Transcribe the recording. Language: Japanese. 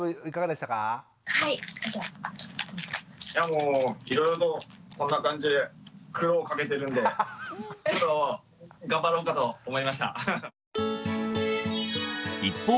もういろいろとこんな感じで苦労かけてるんでちょっと頑張ろうかと思いました。